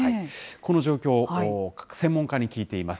この状況、専門家に聞いています。